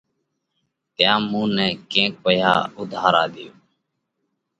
تيام مُون نئہ ڪينڪ پئِيها اُوڌارا ۮيو۔